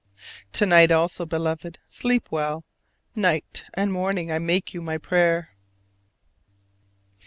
To night also, Beloved, sleep well! Night and morning I make you my prayer.